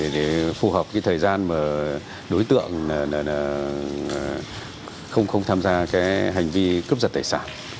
để phù hợp cái thời gian mà đối tượng không không tham gia cái hành vi cướp giật tài sản